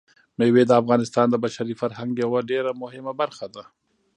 مېوې د افغانستان د بشري فرهنګ یوه ډېره مهمه برخه ده.